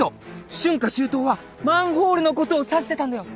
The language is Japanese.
春夏秋冬はマンホールのことを指してたんだよ！